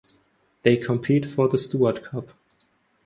They compete for the Stewart Cup.